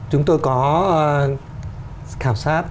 chúng tôi có khảo sát